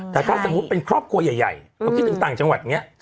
แต่ถ้าสมมุติเป็นครอบครัวใหญ่เราคิดถึงต่างจังหวัดอย่างนี้